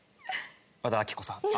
和田アキ子さんです。